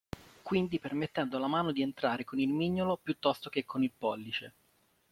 Quindi permettendo alla mano di entrare con il mignolo piuttosto che con il pollice.